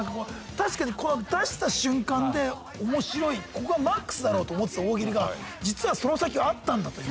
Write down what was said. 確かにこの出した瞬間で面白いここがＭＡＸだろうと思ってた大喜利が実はその先があったんだという。